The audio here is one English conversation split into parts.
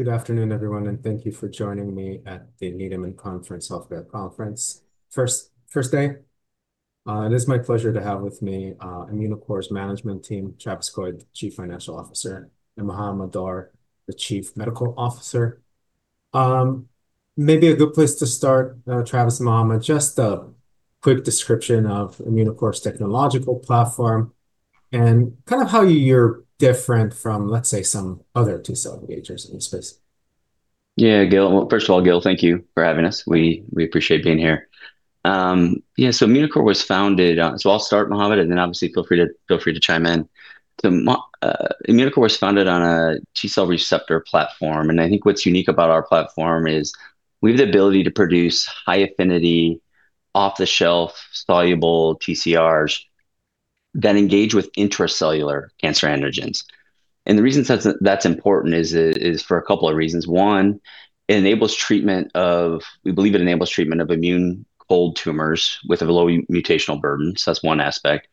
Good afternoon, everyone, and thank you for joining me at the Needham Conference, Healthcare Conference. First day. It is my pleasure to have with me Immunocore's management team, David Berman, Chief Financial Officer, and Mohammed Dar, the Chief Medical Officer. Maybe a good place to start, David and Mohammed, just a quick description of Immunocore's technological platform and how you're different from, let's say, some other T-cell engagers in the space. Yeah, Gil. Well, first of all, Gil, thank you for having us. We appreciate being here. Yeah. I'll start, Mohammed, and then obviously, feel free to chime in. Immunocore was founded on a T-cell receptor platform, and I think what's unique about our platform is we have the ability to produce high-affinity, off-the-shelf soluble TCRs that engage with intracellular cancer antigens. The reason that's important is for a couple of reasons. One, we believe it enables treatment of immune-cold tumors with a low mutational burden. That's one aspect.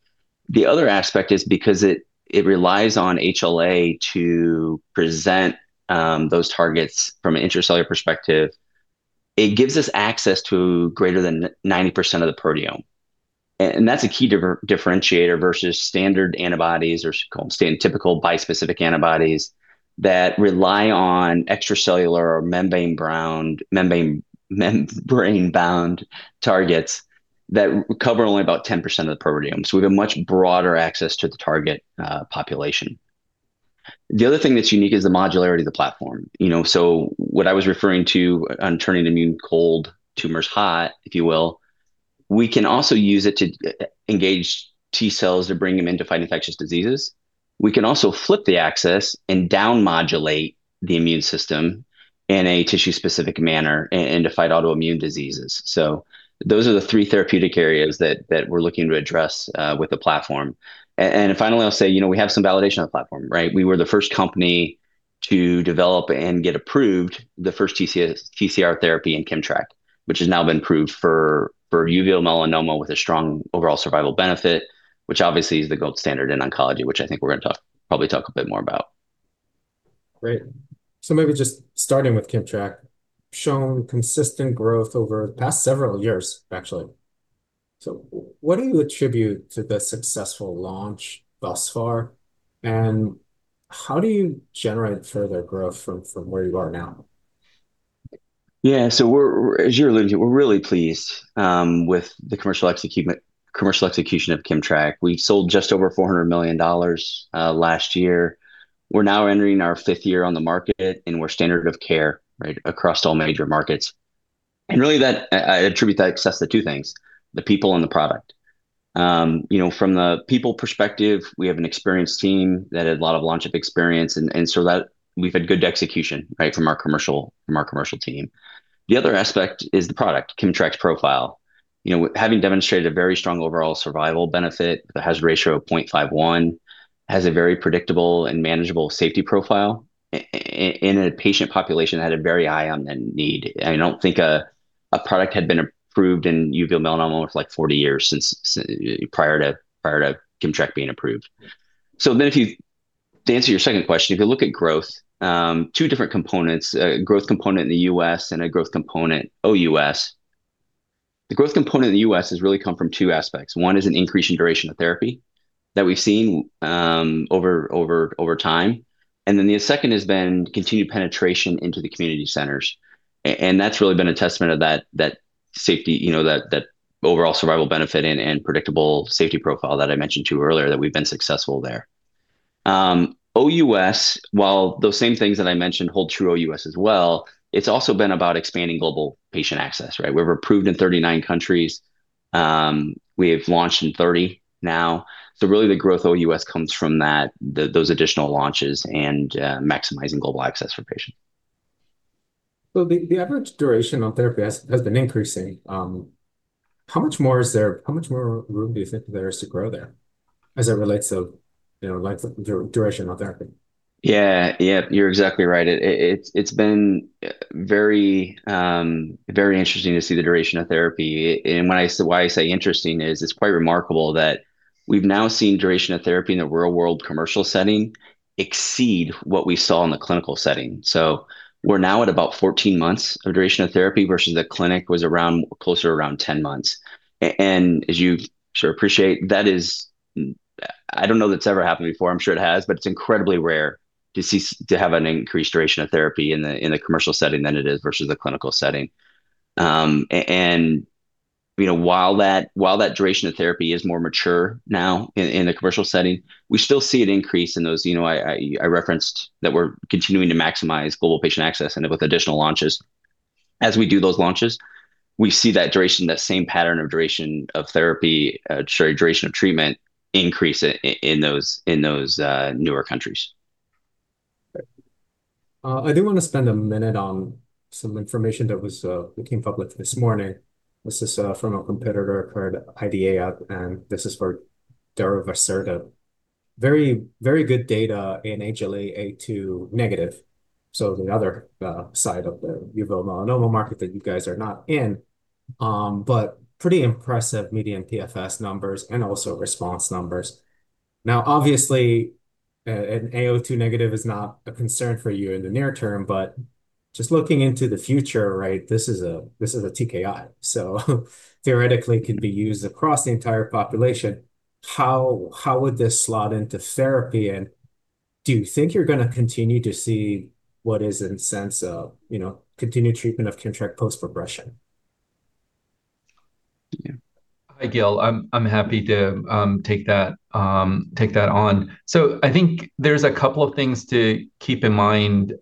The other aspect is because it relies on HLA to present those targets from an intracellular perspective. It gives us access to greater than 90% of the proteome. That's a key differentiator versus standard antibodies, or typical bispecific antibodies, that rely on extracellular or membrane-bound targets that cover only about 10% of the proteome. We have a much broader access to the target population. The other thing that's unique is the modularity of the platform, what I was referring to on turning immune-cold tumors hot, if you will. We can also use it to engage T-cells to bring them in to fight infectious diseases. We can also flip the axis and down-modulate the immune system in a tissue-specific manner and to fight autoimmune diseases. Those are the three therapeutic areas that we're looking to address with the platform. Finally, I'll say, we have some validation on the platform, right? We were the first company to develop and get approved the first TCR therapy in KIMMTRAK, which has now been approved for uveal melanoma with a strong overall survival benefit, which obviously is the gold standard in oncology, which I think we're going to probably talk a bit more about. Great. Maybe just starting with KIMMTRAK, shown consistent growth over the past several years, actually. What do you attribute to the successful launch thus far, and how do you generate further growth from where you are now? Yeah. As you're alluding to, we're really pleased with the commercial execution of KIMMTRAK. We sold just over $400 million last year. We're now entering our fifth year on the market, and we're standard of care, right, across all major markets. Really, I attribute that success to two things, the people and the product. From the people perspective, we have an experienced team that had a lot of launch experience, and so we've had good execution from our commercial team. The other aspect is the product, KIMMTRAK's profile. Having demonstrated a very strong overall survival benefit, the hazard ratio of 0.51, has a very predictable and manageable safety profile in a patient population that had a very high unmet need. I don't think a product had been approved in uveal melanoma for 40 years prior to KIMMTRAK being approved. To answer your second question, if you look at growth, two different components, a growth component in the U.S. and a growth component OUS. The growth component in the U.S. has really come from two aspects. One is an increase in duration of therapy that we've seen over time, and then the second has been continued penetration into the community centers. That's really been a testament of that safety, that overall survival benefit and predictable safety profile that I mentioned to you earlier, that we've been successful there. OUS, while those same things that I mentioned hold true OUS as well, it's also been about expanding global patient access, right? We were approved in 39 countries. We have launched in 30 now. Really the growth OUS comes from those additional launches and maximizing global access for patients. The average duration of therapy has been increasing. How much more room do you think there is to grow there as it relates to the duration of therapy? Yeah. You're exactly right. It's been very interesting to see the duration of therapy. Why I say interesting is it's quite remarkable that we've now seen duration of therapy in the real-world commercial setting exceed what we saw in the clinical setting. We're now at about 14 months of duration of therapy versus the clinic was closer to around 10 months. As you sure appreciate, I don't know that's ever happened before. I'm sure it has, but it's incredibly rare to have an increased duration of therapy in the commercial setting than it is versus the clinical setting. While that duration of therapy is more mature now in the commercial setting, we still see an increase in those. I referenced that we're continuing to maximize global patient access and with additional launches. As we do those launches, we see that same pattern of duration of treatment increase in those newer countries. Great. I do want to spend a minute on some information that came public this morning. This is from a competitor called IDEAYA, and this is for darovasertib. Very good data in HLA-A2 negative, the other side of the uveal melanoma market that you guys are not in, but pretty impressive median PFS numbers and also response numbers. Now, obviously, an A2 negative is not a concern for you in the near term, but just looking into the future, this is a TKI, so theoretically can be used across the entire population. How would this slot into therapy, and do you think you're going to continue to see what is the sense of continued treatment of KIMMTRAK post-progression? Hi, Gil. I'm happy to take that on. I think there's a couple of things to keep in mind,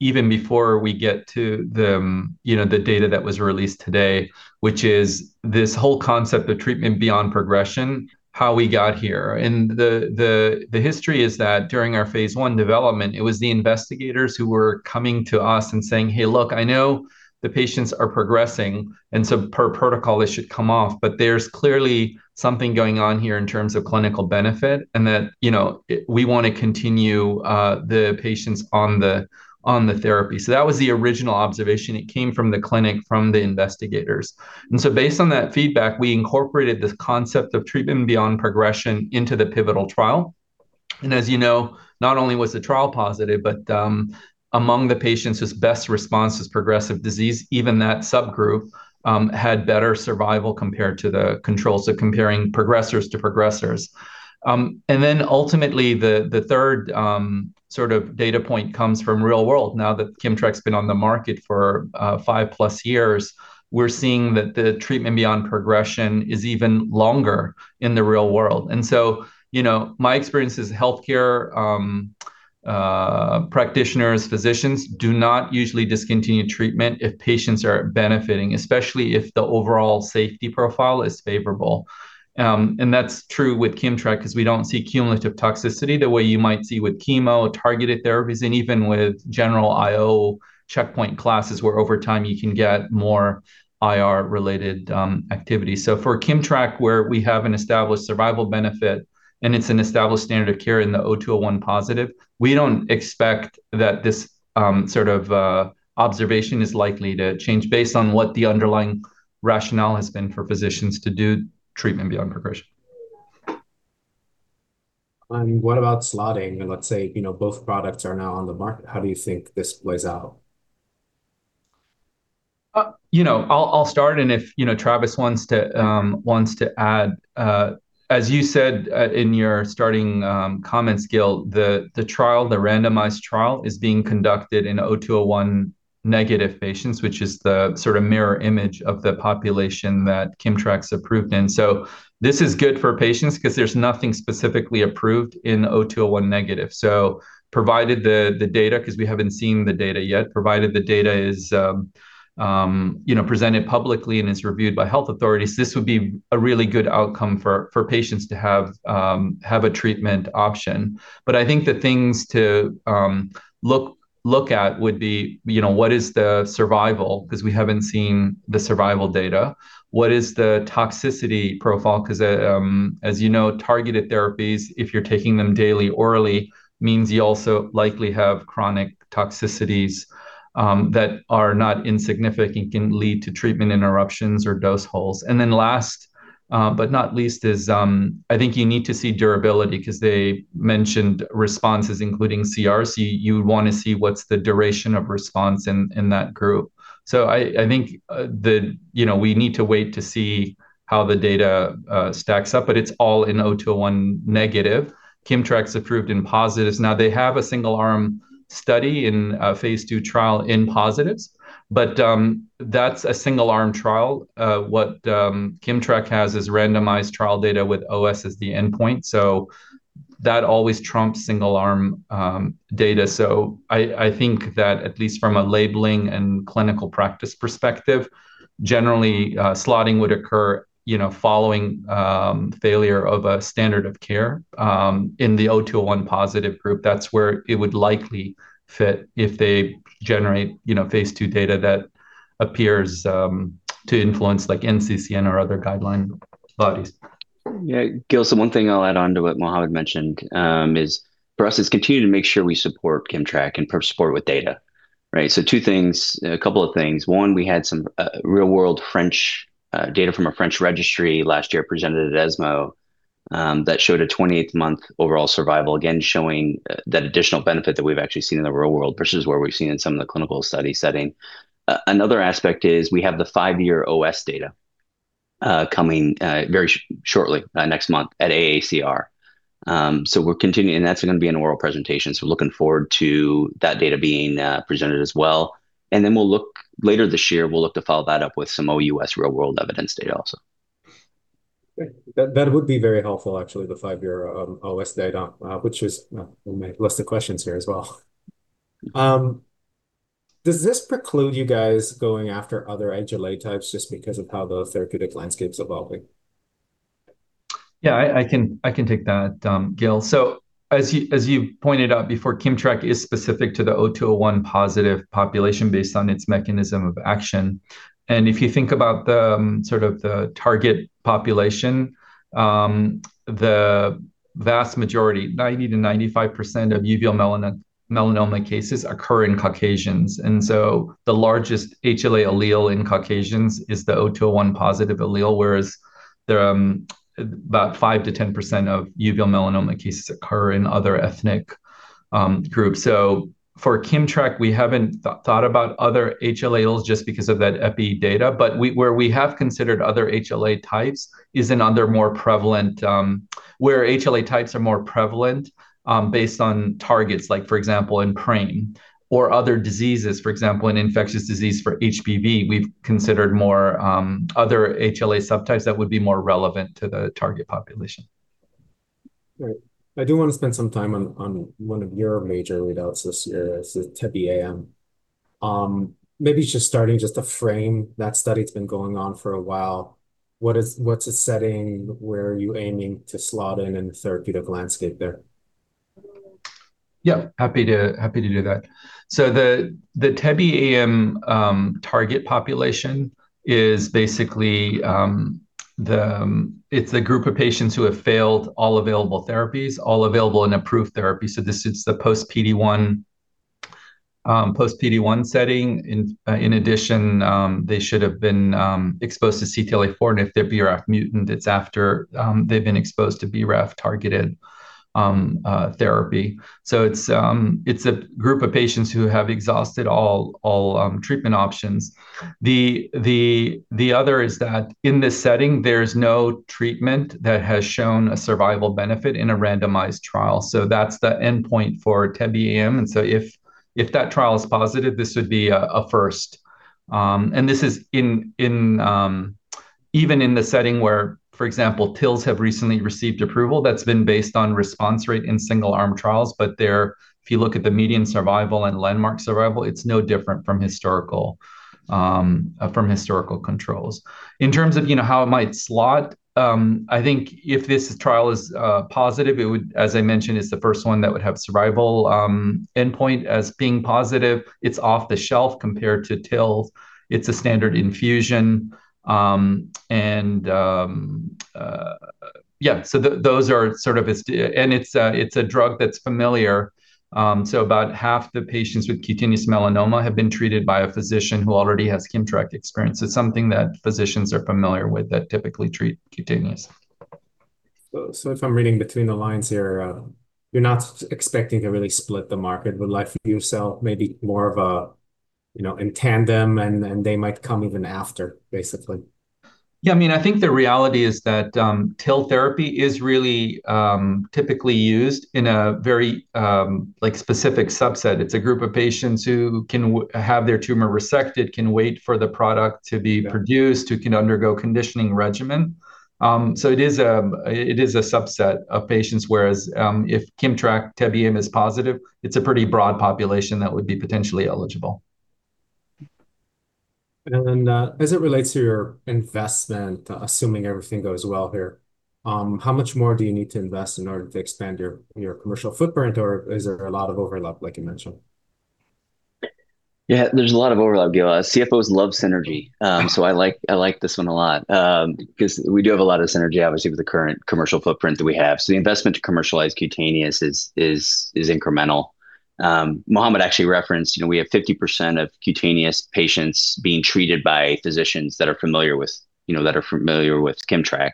even before we get to the data that was released today, which is this whole concept of treatment beyond progression, how we got here. The history is that during our phase I development, it was the investigators who were coming to us and saying, "Hey, look, I know the patients are progressing, and so per protocol they should come off, but there's clearly something going on here in terms of clinical benefit and that we want to continue the patients on the therapy." That was the original observation. It came from the clinic, from the investigators. Based on that feedback, we incorporated this concept of treatment beyond progression into the pivotal trial. As you know, not only was the trial positive, but among the patients whose best response is progressive disease, even that subgroup had better survival compared to the controls, comparing progressors to progressors. Ultimately, the third sort of data point comes from real world. Now that KIMMTRAK's been on the market for 5+ years, we're seeing that the treatment beyond progression is even longer in the real world. My experience is healthcare practitioners, physicians do not usually discontinue treatment if patients are benefiting, especially if the overall safety profile is favorable. That's true with KIMMTRAK because we don't see cumulative toxicity the way you might see with chemo, targeted therapies, and even with general IO checkpoint classes, where over time you can get more irAE-related activity. For KIMMTRAK, where we have an established survival benefit and it's an established standard of care in the 02:01 positive, we don't expect that this sort of observation is likely to change based on what the underlying rationale has been for physicians to do treatment beyond progression. What about slotting? Let's say both products are now on the market. How do you think this plays out? I'll start, and if Travis wants to add. As you said in your starting comments, Gil, the trial, the randomized trial, is being conducted in 02:01 negative patients, which is the sort of mirror image of the population that KIMMTRAK's approved in. So this is good for patients because there's nothing specifically approved in 02:01 negative. So provided the data, because we haven't seen the data yet, provided the data is presented publicly and is reviewed by health authorities, this would be a really good outcome for patients to have a treatment option. But I think the things to look at would be what is the survival, because we haven't seen the survival data. What is the toxicity profile? Because, as you know, targeted therapies, if you're taking them daily orally, means you also likely have chronic toxicities that are not insignificant and can lead to treatment interruptions or dose holds. Last but not least is, I think you need to see durability because they mentioned responses including CRs. You would want to see what's the duration of response in that group. I think we need to wait to see how the data stacks up, but it's all in 02:01 negative. KIMMTRAK's approved in positives. Now they have a single-arm study in a phase II trial in positives, but that's a single-arm trial. What KIMMTRAK has is randomized trial data with OS as the endpoint, so that always trumps single-arm data. I think that at least from a labeling and clinical practice perspective, generally slotting would occur following failure of a standard of care in the 02:01 positive group. That's where it would likely fit if they generate phase II data that appears to influence NCCN or other guideline bodies. Yeah. Gil, one thing I'll add on to what Mohammed mentioned is for us, it's continue to make sure we support KIMMTRAK and support with data. Two things, a couple of things. One, we had some real-world French data from a French registry last year presented at ESMO, that showed a 28-month overall survival, again, showing that additional benefit that we've actually seen in the real world versus where we've seen in some of the clinical study setting. Another aspect is we have the five-year OS data coming very shortly, next month at AACR. We're continuing. That's going to be an oral presentation, so we're looking forward to that data being presented as well. Later this year, we'll look to follow that up with some OUS real-world evidence data also. Great. That would be very helpful, actually, the five-year OS data. Well, we'll make a list of questions here as well. Does this preclude you guys going after other HLA types just because of how the therapeutic landscape's evolving? Yeah, I can take that, Gil. As you pointed out before, KIMMTRAK is specific to the 02:01 positive population based on its mechanism of action. If you think about the target population, the vast majority, 90%-95% of uveal melanoma cases occur in Caucasians. The largest HLA allele in Caucasians is the 02:01 positive allele. There are about 5%-10% of uveal melanoma cases occur in other ethnic groups. For KIMMTRAK, we haven't thought about other HLAs just because of that epi data. Where we have considered other HLA types is in other more prevalent, where HLA types are more prevalent, based on targets, like for example, in PRAME or other diseases, for example, in infectious disease for HBV, we've considered more other HLA subtypes that would be more relevant to the target population. Right. I do want to spend some time on one of your major readouts this year, TEBE-AM. Maybe just starting, just to frame that study, it's been going on for a while. What's the setting? Where are you aiming to slot in in the therapeutic landscape there? Yeah, happy to do that. The TEBE-AM target population is basically, it's a group of patients who have failed all available therapies, all available and approved therapies. This is the post PD-1 setting. In addition, they should have been exposed to CTLA-4. If they're BRAF mutant, it's after they've been exposed to BRAF-targeted therapy. It's a group of patients who have exhausted all treatment options. The other is that in this setting, there's no treatment that has shown a survival benefit in a randomized trial. That's the endpoint for TEBE-AM. If that trial is positive, this would be a first. This is even in the setting where, for example, TIL have recently received approval that's been based on response rate in single-arm trials. If you look at the median survival and landmark survival, it's no different from historical controls. In terms of how it might slot, I think if this trial is positive, as I mentioned, it's the first one that would have survival endpoint as being positive. It's off the shelf compared to TIL. It's a standard infusion. Yeah, it's a drug that's familiar. About half the patients with cutaneous melanoma have been treated by a physician who already has KIMMTRAK experience. It's something that physicians are familiar with that typically treat cutaneous. If I'm reading between the lines here, you're not expecting to really split the market. Would like for you sell maybe more of a, in tandem, and they might come even after, basically. Yeah, I think the reality is that TIL therapy is really typically used in a very specific subset. It's a group of patients who can have their tumor resected, can wait for the product to be produced, who can undergo conditioning regimen. It is a subset of patients, whereas, if KIMMTRAK TEBE-AM is positive, it's a pretty broad population that would be potentially eligible. As it relates to your investment, assuming everything goes well here, how much more do you need to invest in order to expand your commercial footprint, or is there a lot of overlap like you mentioned? Yeah, there's a lot of overlap, Gil. CFOs love synergy, so I like this one a lot because we do have a lot of synergy, obviously, with the current commercial footprint that we have. The investment to commercialize cutaneous is incremental. Mohammed actually referenced, we have 50% of cutaneous patients being treated by physicians that are familiar with KIMMTRAK.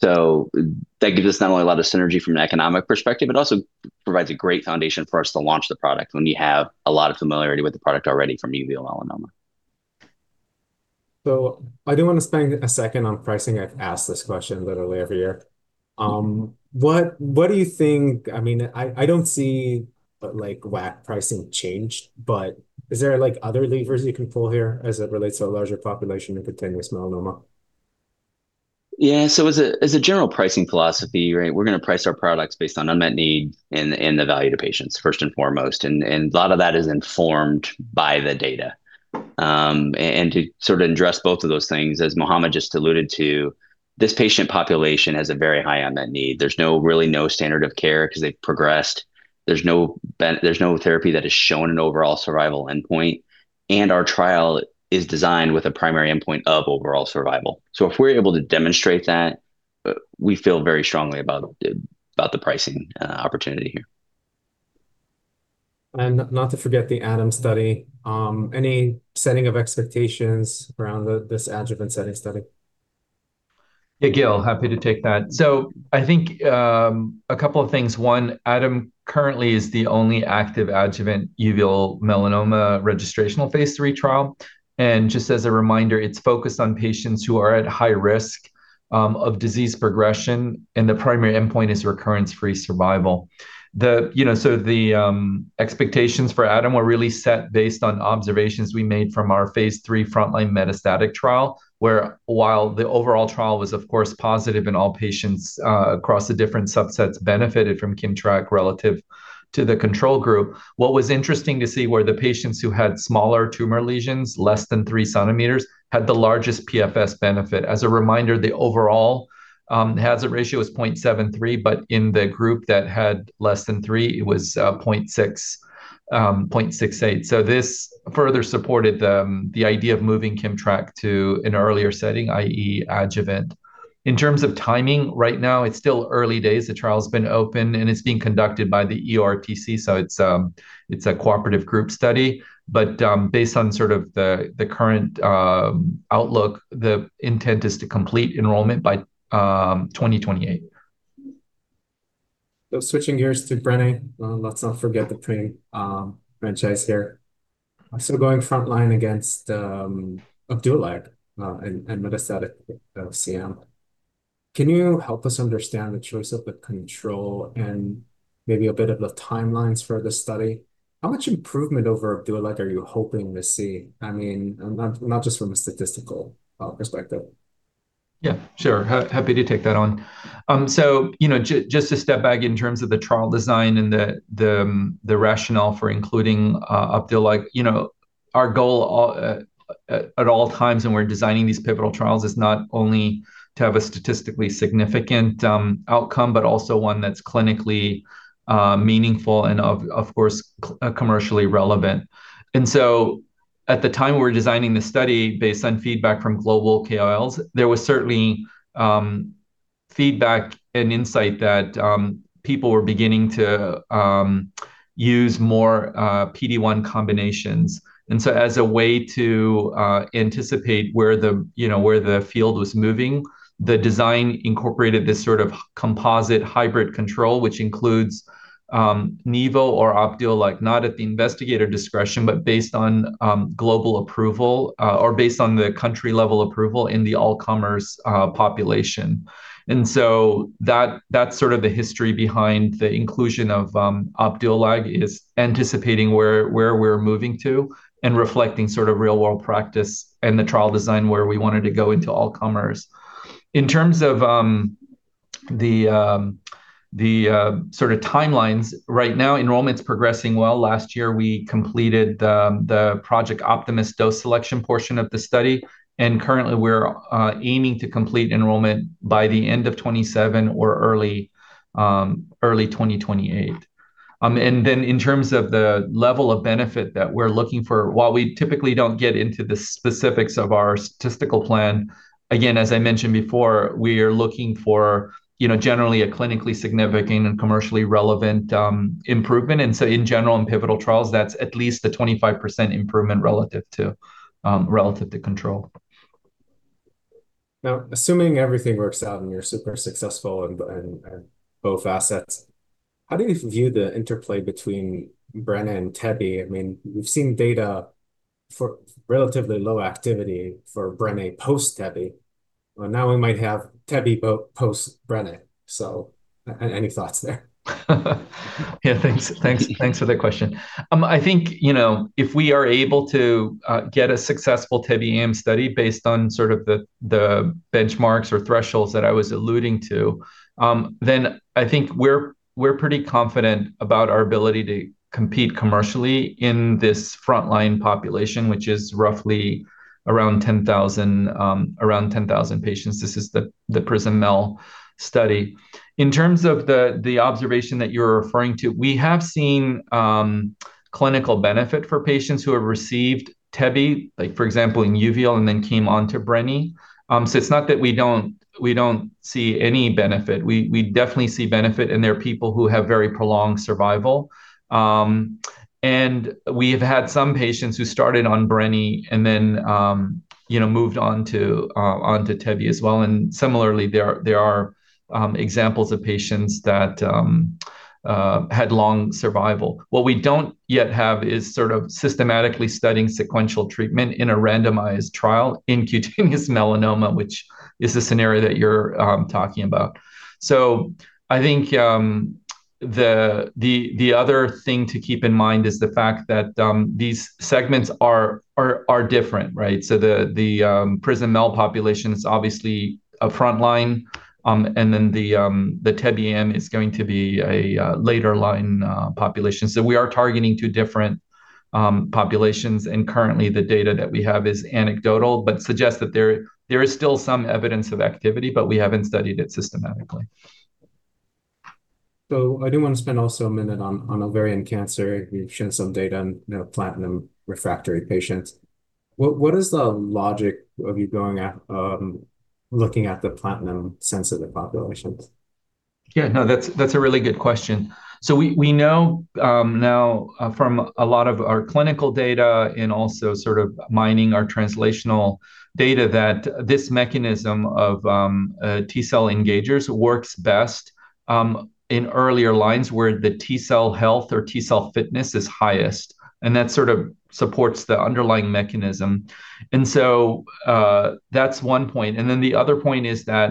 That gives us not only a lot of synergy from an economic perspective, but also provides a great foundation for us to launch the product when you have a lot of familiarity with the product already from uveal melanoma. I do want to spend a second on pricing. I've asked this question literally every year. What do you think? I don't see WAC pricing changed, but is there other levers you can pull here as it relates to a larger population of cutaneous melanoma? Yeah. As a general pricing philosophy, we're going to price our products based on unmet need and the value to patients first and foremost. A lot of that is informed by the data. To sort of address both of those things, as Mohammed just alluded to, this patient population has a very high unmet need. There's really no standard of care because they've progressed. There's no therapy that has shown an overall survival endpoint. Our trial is designed with a primary endpoint of overall survival. If we're able to demonstrate that, we feel very strongly about the pricing opportunity here. Not to forget the ADaM study. Any setting of expectations around this adjuvant setting study? Yeah, Gil, happy to take that. I think, a couple of things. One, ADaM currently is the only active adjuvant uveal melanoma registrational phase III trial. Just as a reminder, it's focused on patients who are at high risk of disease progression, and the primary endpoint is recurrence-free survival. The expectations for ADaM were really set based on observations we made from our phase III frontline metastatic trial, where while the overall trial was of course positive in all patients across the different subsets benefited from KIMMTRAK relative to the control group, what was interesting to see were the patients who had smaller tumor lesions, less than 3 centimeters, had the largest PFS benefit. As a reminder, the overall hazard ratio was 0.73, but in the group that had less than 3, it was 0.68. This further supported the idea of moving KIMMTRAK to an earlier setting, i.e., adjuvant. In terms of timing, right now, it's still early days. The trial's been open, and it's being conducted by the EORTC, so it's a cooperative group study. Based on sort of the current outlook, the intent is to complete enrollment by 2028. Switching gears to brene, let's not forget the PRAME franchise here. Going frontline against Opdualag in metastatic CM, can you help us understand the choice of the control and maybe a bit of the timelines for the study? How much improvement over Opdualag are you hoping to see, I mean, not just from a statistical perspective? Yeah, sure. Happy to take that on. Just to step back in terms of the trial design and the rationale for including Opdualag, our goal at all times when we're designing these pivotal trials is not only to have a statistically significant outcome, but also one that's clinically meaningful and, of course, commercially relevant. At the time we were designing the study based on feedback from global KOLs, there was certainly feedback and insight that people were beginning to use more PD-1 combinations. As a way to anticipate where the field was moving, the design incorporated this sort of composite hybrid control, which includes nivolumab or Opdualag, not at the investigator discretion, but based on global approval or based on the country-level approval in the all-comers population. That's sort of the history behind the inclusion of Opdualag is anticipating where we're moving to and reflecting sort of real-world practice and the trial design where we wanted to go into all-comers. In terms of the sort of timelines, right now enrollment's progressing well. Last year, we completed the Project Optimus dose selection portion of the study, and currently we're aiming to complete enrollment by the end of 2027 or early 2028. In terms of the level of benefit that we're looking for, while we typically don't get into the specifics of our statistical plan, again, as I mentioned before, we are looking for generally a clinically significant and commercially relevant improvement. In general, in pivotal trials, that's at least a 25% improvement relative to control. Now, assuming everything works out and you're super successful in both assets, how do you view the interplay between brene and tebe? I mean, we've seen data for relatively low activity for brene post-tebe. Well, now we might have tebe post-brene. Any thoughts there? Yeah, thanks for the question. I think if we are able to get a successful TEBE-AM study based on sort of the benchmarks or thresholds that I was alluding to, then I think we're pretty confident about our ability to compete commercially in this frontline population, which is roughly around 10,000 patients. This is the PRISM-MEL-301 study. In terms of the observation that you're referring to, we have seen clinical benefit for patients who have received tebe, like for example, in uveal, and then came onto brene. It's not that we don't see any benefit. We definitely see benefit, and there are people who have very prolonged survival. We've had some patients who started on brene and then moved on to tebe as well. Similarly, there are examples of patients that had long survival. What we don't yet have is sort of systematically studying sequential treatment in a randomized trial in cutaneous melanoma, which is the scenario that you're talking about. So I think the other thing to keep in mind is the fact that these segments are different, right? So the PRISM-MEL-301 population is obviously a frontline, and then the TEBE-M is going to be a later-line population. So we are targeting two different populations, and currently the data that we have is anecdotal, but suggests that there is still some evidence of activity, but we haven't studied it systematically. I do want to spend also a minute on ovarian cancer. You've shown some data on platinum-refractory patients. What is the logic of you looking at the platinum-sensitive populations? Yeah. No, that's a really good question. We know now from a lot of our clinical data and also sort of mining our translational data that this mechanism of T-cell engagers works best in earlier lines where the T-cell health or T-cell fitness is highest, and that sort of supports the underlying mechanism. That's one point. The other point is that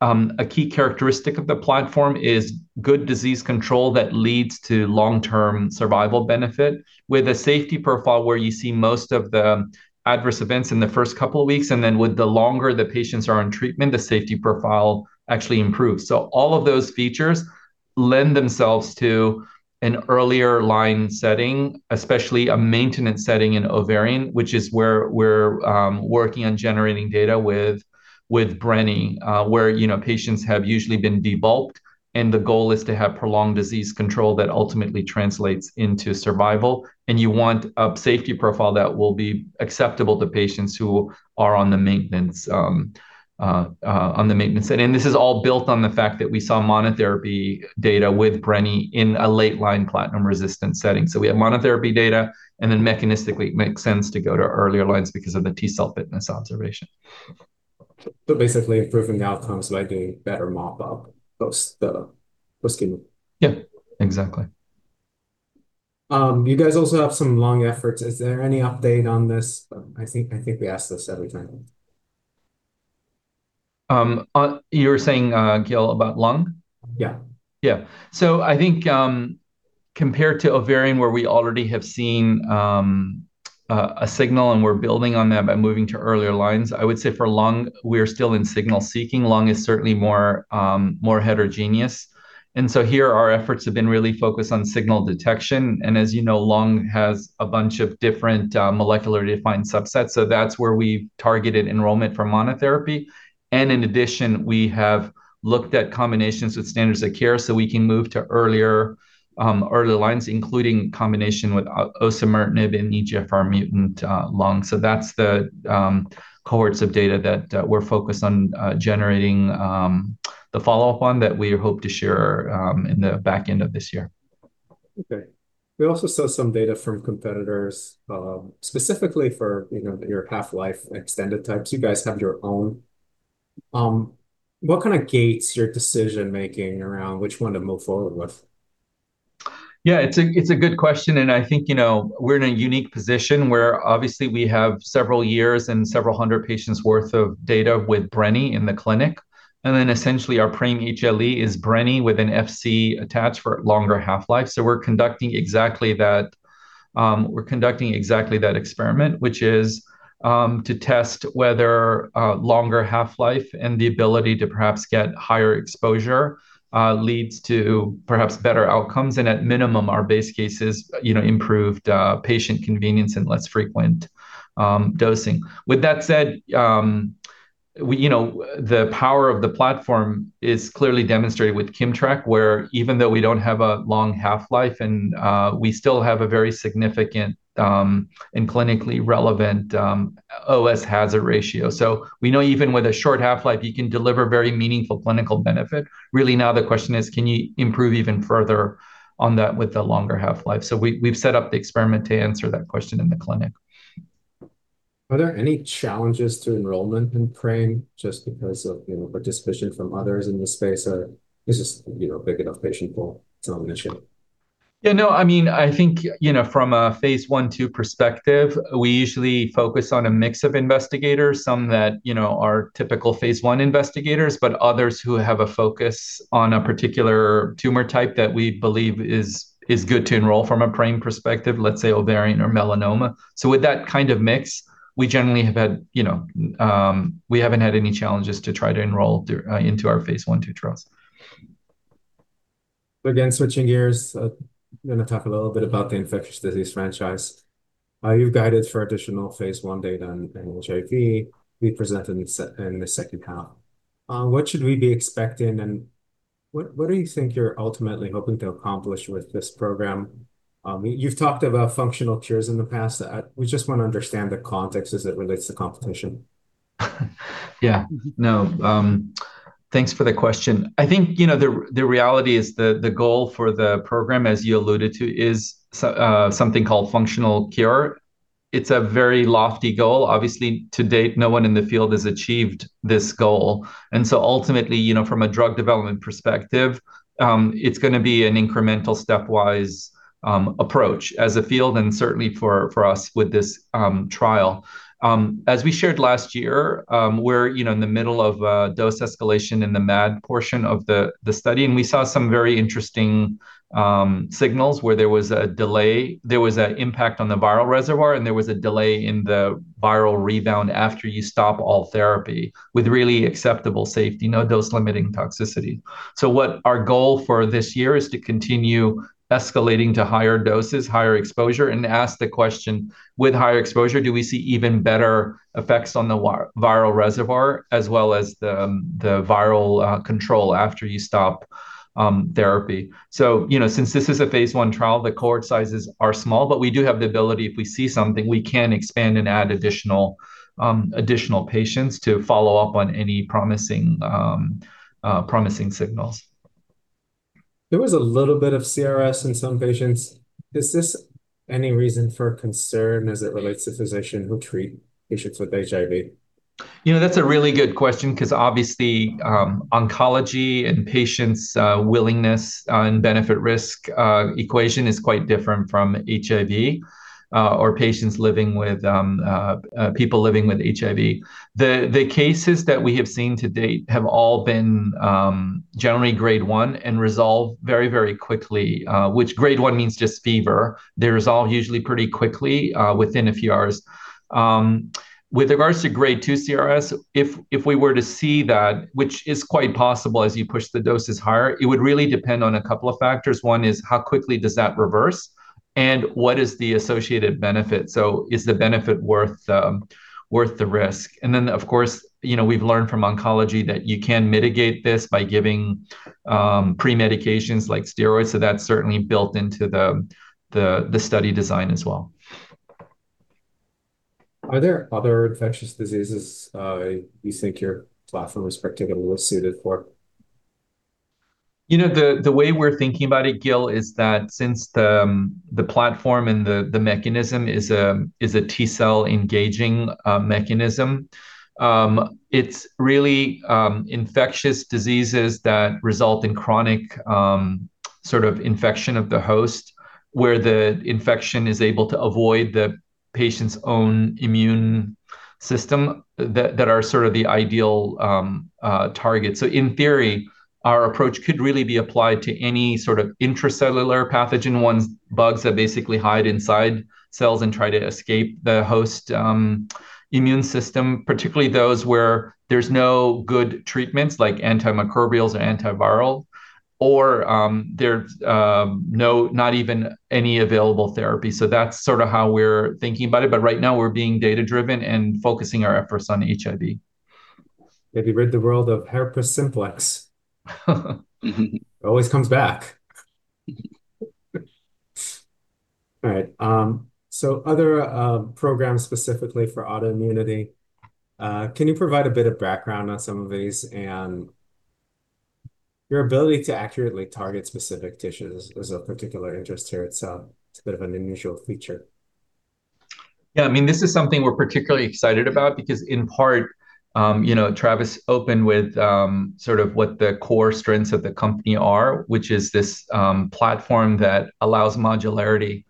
a key characteristic of the platform is good disease control that leads to long-term survival benefit with a safety profile where you see most of the adverse events in the first couple of weeks, and then with the longer the patients are on treatment, the safety profile actually improves. All of those features lend themselves to an earlier line setting, especially a maintenance setting in ovarian, which is where we're working on generating data with brene, where patients have usually been debulked, and the goal is to have prolonged disease control that ultimately translates into survival. You want a safety profile that will be acceptable to patients who are on the maintenance setting. This is all built on the fact that we saw monotherapy data with brene in a late-line platinum-resistant setting. We have monotherapy data, and then mechanistically, it makes sense to go to earlier lines because of the T-cell fitness observation. Basically improving outcomes by doing better mop up post-resection? Yeah, exactly. You guys also have some lung efforts. Is there any update on this? I think we ask this every time. You're saying, Gil, about lung? Yeah. Yeah. I think, compared to ovarian, where we already have seen a signal and we're building on that by moving to earlier lines, I would say for lung, we are still in signal seeking. Lung is certainly more heterogeneous. Here our efforts have been really focused on signal detection. As you know, lung has a bunch of different molecular-defined subsets. That's where we've targeted enrollment for monotherapy. In addition, we have looked at combinations with standards of care, so we can move to earlier lines, including combination with osimertinib and EGFR mutant lung. That's the cohorts of data that we're focused on generating the follow-up on that we hope to share in the back end of this year. Okay. We also saw some data from competitors, specifically for your half-life extended types. You guys have your own. What kind of gates your decision-making around which one to move forward with? Yeah, it's a good question. I think we're in a unique position where obviously we have several years and several hundred patients' worth of data with brene in the clinic. Essentially our PRAME-HLE is brene with an Fc attached for longer half-life. We're conducting exactly that experiment, which is to test whether a longer half-life and the ability to perhaps get higher exposure leads to perhaps better outcomes and, at minimum, our base case is improved patient convenience and less frequent dosing. With that said, the power of the platform is clearly demonstrated with KIMMTRAK, where even though we don't have a long half-life and we still have a very significant and clinically relevant OS hazard ratio. We know even with a short half-life, you can deliver very meaningful clinical benefit. Really now the question is can you improve even further on that with the longer half-life? We've set up the experiment to answer that question in the clinic. Are there any challenges to enrollment in PRAME just because of participation from others in this space? Is this big enough patient pool? It's not an issue. Yeah, no, I think from a phase I/II perspective, we usually focus on a mix of investigators, some that are typical phase I investigators, but others who have a focus on a particular tumor type that we believe is good to enroll from a PRAME perspective, let's say ovarian or melanoma. With that kind of mix, we haven't had any challenges to try to enroll into our phase I/II trials. Again, switching gears, I'm going to talk a little bit about the infectious disease franchise. You've guided for additional phase I data in HIV to be presented in the second half. What should we be expecting? What do you think you're ultimately hoping to accomplish with this program? You've talked about functional cures in the past. We just want to understand the context as it relates to competition. Yeah. No. Thanks for the question. I think the reality is the goal for the program, as you alluded to, is something called functional cure. It's a very lofty goal. Obviously, to date, no one in the field has achieved this goal. Ultimately, from a drug development perspective, it's going to be an incremental stepwise approach as a field and certainly for us with this trial. As we shared last year, we're in the middle of a dose escalation in the MAD portion of the study, and we saw some very interesting signals where there was an impact on the viral reservoir, and there was a delay in the viral rebound after you stop all therapy with really acceptable safety, no dose-limiting toxicity. What our goal for this year is to continue escalating to higher doses, higher exposure, and ask the question, with higher exposure, do we see even better effects on the viral reservoir as well as the viral control after you stop therapy? Since this is a phase I trial, the cohort sizes are small, but we do have the ability, if we see something, we can expand and add additional patients to follow up on any promising signals. There was a little bit of CRS in some patients. Is this any reason for concern as it relates to physicians who treat patients with HIV? That's a really good question because obviously, oncology and patients' willingness and benefit-risk equation is quite different from HIV, or people living with HIV. The cases that we have seen to date have all been generally grade one and resolve very, very quickly, which grade one means just fever. They resolve usually pretty quickly, within a few hours. With regards to grade two CRS, if we were to see that, which is quite possible as you push the doses higher, it would really depend on a couple of factors. One is how quickly does that reverse, and what is the associated benefit? Is the benefit worth the risk? Of course, we've learned from oncology that you can mitigate this by giving pre-medications like steroids. That's certainly built into the study design as well. Are there other infectious diseases you think your platform is particularly suited for? The way we're thinking about it, Gil, is that since the platform and the mechanism is a T-cell engaging mechanism, it's really infectious diseases that result in chronic sort of infection of the host where the infection is able to avoid the patient's own immune system that are sort of the ideal target. In theory, our approach could really be applied to any sort of intracellular pathogen, bugs that basically hide inside cells and try to escape the host immune system, particularly those where there's no good treatments like antimicrobials or antiviral or there not even any available therapy. That's sort of how we're thinking about it. Right now we're being data-driven and focusing our efforts on HIV. Maybe rid the world of herpes simplex. Always comes back. All right. Other programs specifically for autoimmunity, can you provide a bit of background on some of these? Your ability to accurately target specific tissues is of particular interest here. It's a bit of an unusual feature. Yeah. This is something we're particularly excited about because in part, David Berman opened with sort of what the core strengths of the company are, which is this platform that allows modularity.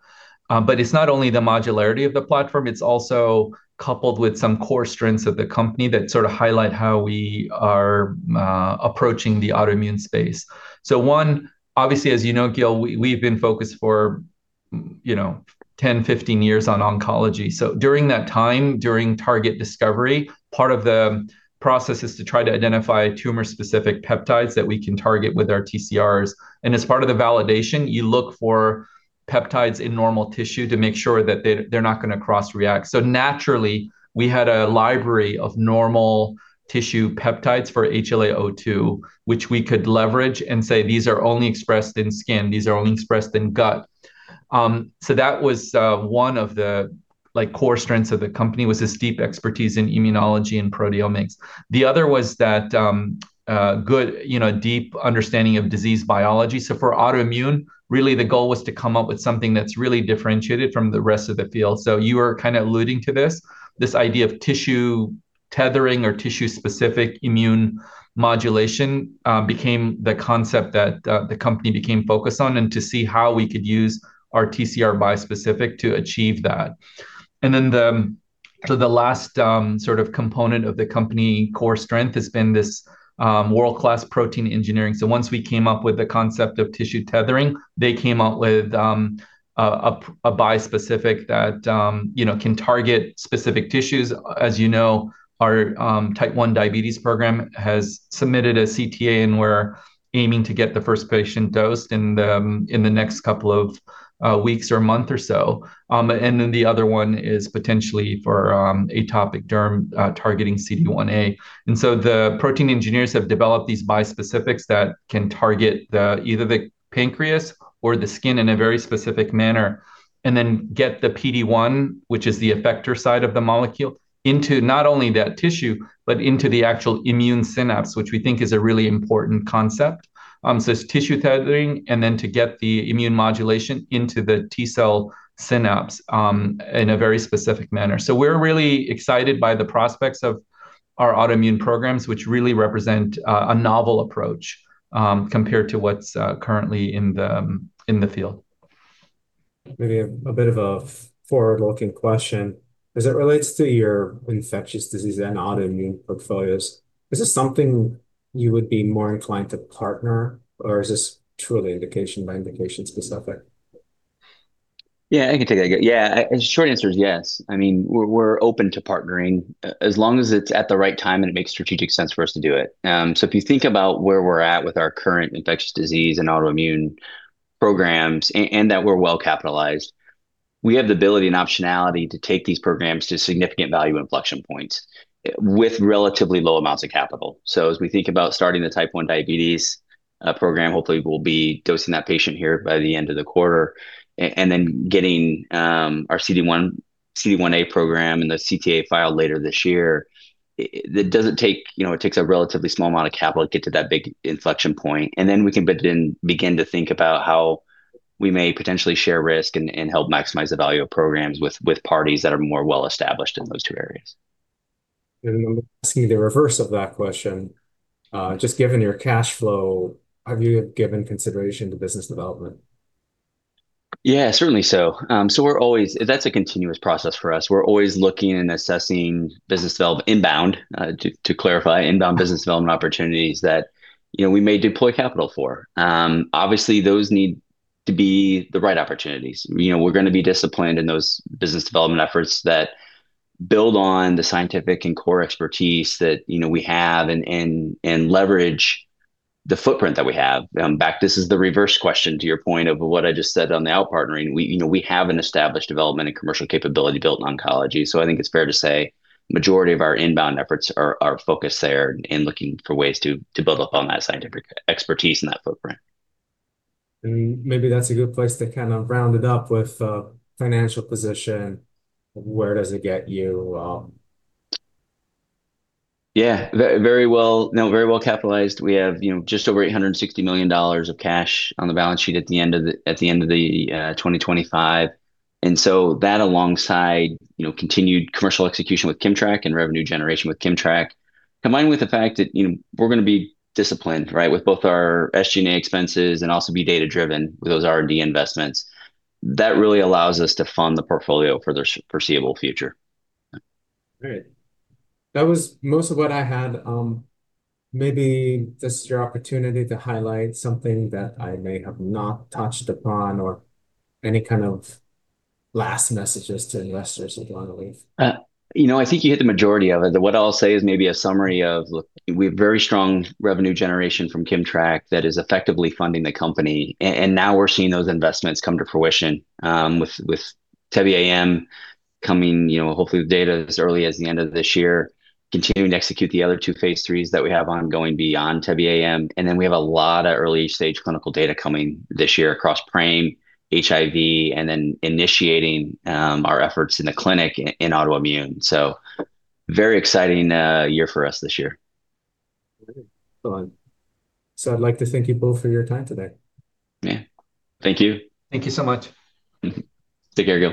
It's not only the modularity of the platform, it's also coupled with some core strengths of the company that sort of highlight how we are approaching the autoimmune space. One, obviously as you know, Gil, we've been focused for 10-15 years on oncology. During that time, during target discovery, part of the process is to try to identify tumor-specific peptides that we can target with our TCRs. As part of the validation, you look for peptides in normal tissue to make sure that they're not going to cross-react. Naturally, we had a library of normal tissue peptides for HLA-A2, which we could leverage and say, "These are only expressed in skin. These are only expressed in gut. That was one of the core strengths of the company was this deep expertise in immunology and proteomics. The other was that good deep understanding of disease biology. For autoimmune, really the goal was to come up with something that's really differentiated from the rest of the field. You were kind of alluding to this idea of tissue tethering or tissue-specific immune modulation became the concept that the company became focused on, and to see how we could use our TCR bispecific to achieve that. The last sort of component of the company core strength has been this world-class protein engineering. Once we came up with the concept of tissue tethering, they came out with a bispecific that can target specific tissues. As you know, our type 1 diabetes program has submitted a CTA, and we're aiming to get the first patient dosed in the next couple of weeks or a month or so. The other one is potentially for atopic dermatitis targeting CD1a. The protein engineers have developed these bispecifics that can target either the pancreas or the skin in a very specific manner, and then get the PD-1, which is the effector side of the molecule, into not only that tissue, but into the actual immune synapse, which we think is a really important concept. It's tissue tethering, and then to get the immune modulation into the T cell synapse in a very specific manner. We're really excited by the prospects of our autoimmune programs, which really represent a novel approach compared to what's currently in the field. Maybe a bit of a forward-looking question. As it relates to your infectious disease and autoimmune portfolios, is this something you would be more inclined to partner or is this truly indication by indication specific? I can take that. Yeah. The short answer is yes. We're open to partnering as long as it's at the right time and it makes strategic sense for us to do it. If you think about where we're at with our current infectious disease and autoimmune programs and that we're well capitalized, we have the ability and optionality to take these programs to significant value inflection points with relatively low amounts of capital. As we think about starting the type 1 diabetes program, hopefully we'll be dosing that patient here by the end of the quarter, and then getting our CD1a program and the CTA filed later this year. It takes a relatively small amount of capital to get to that big inflection point, and then we can begin to think about how we may potentially share risk and help maximize the value of programs with parties that are more well established in those two areas. I'm asking the reverse of that question. Just given your cash flow, have you given consideration to business development? Yeah, certainly so. That's a continuous process for us. We're always looking and assessing, to clarify, inbound business development opportunities that we may deploy capital for. Obviously, those need to be the right opportunities. We're going to be disciplined in those business development efforts that build on the scientific and core expertise that we have and leverage the footprint that we have. In fact, this is the reverse question, to your point of what I just said on the out-partnering. We have an established development and commercial capability built in oncology. I think it's fair to say majority of our inbound efforts are focused there in looking for ways to build upon that scientific expertise and that footprint. Maybe that's a good place to kind of round it up with financial position. Where does it get you? Yeah, very well capitalized. We have just over $860 million of cash on the balance sheet at the end of the 2025. That alongside continued commercial execution with KIMMTRAK and revenue generation with KIMMTRAK, combined with the fact that we're going to be disciplined with both our SG&A expenses and also be data-driven with those R&D investments, that really allows us to fund the portfolio for the foreseeable future. Great. That was most of what I had. Maybe this is your opportunity to highlight something that I may have not touched upon or any kind of last messages to investors that you want to leave. I think you hit the majority of it. What I'll say is maybe a summary of we have very strong revenue generation from KIMMTRAK that is effectively funding the company, and now we're seeing those investments come to fruition, with TEBE-AM coming, hopefully the data as early as the end of this year, continuing to execute the other two phase IIIs that we have ongoing beyond TEBE-AM. We have a lot of early-stage clinical data coming this year across PRAME, HIV, and then initiating our efforts in the clinic in autoimmune. Very exciting year for us this year. All right. I'd like to thank you both for your time today. Yeah. Thank you. Thank you so much. Take care, Gil.